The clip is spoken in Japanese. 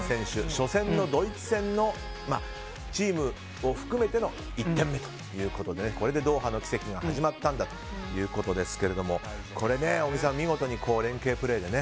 初戦のドイツ戦のチームを含めての１点目ということでこれでドーハの奇跡が始まったということですが小木さん、見事に連係プレーでね。